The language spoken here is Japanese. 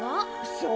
そう！